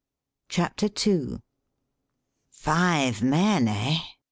CHAPTER II "Five men, eh?"